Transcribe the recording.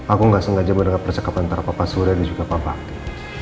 aku nggak sengaja mendengar percakapan antara bapak surya dan juga pak bakti